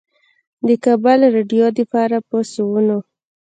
د کابل رېډيؤ دپاره پۀ سوونو